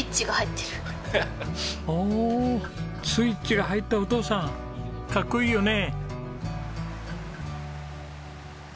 おおスイッチが入ったお父さんかっこいいよね。